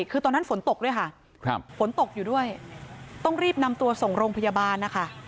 คือตอนนั้นฝนตกด้วยค่ะฝนตกอยู่ด้วยต้องรีบนำตัวส่งโรงพยาบาลนะคะ